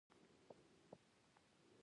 ډېر زیات تحقیقات یې وکړل.